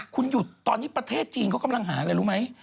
คุณหยุดตอนนี้ประเทศจีนเขากำลังหาอะไรรู้ไหม